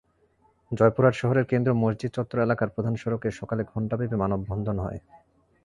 জয়পুরহাট শহরের কেন্দ্রীয় মসজিদ চত্বর এলাকার প্রধান সড়কে সকালে ঘণ্টাব্যাপী মানববন্ধন হয়।